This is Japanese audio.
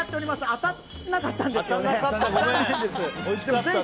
当たらなかったんですよね残念です。